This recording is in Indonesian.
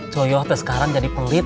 coyok teh sekarang jadi pelit